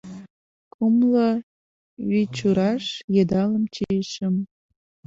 Кумло вичураш йыдалым чийышым